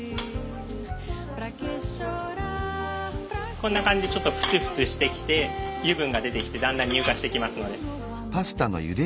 こんな感じでちょっとフツフツしてきて油分が出てきてだんだん乳化してきますので。